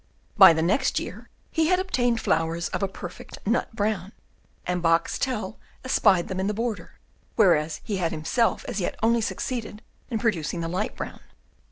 By the next year he had obtained flowers of a perfect nut brown, and Boxtel espied them in the border, whereas he had himself as yet only succeeded in producing the light brown.